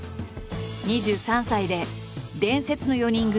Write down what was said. ２３歳で伝説の４人組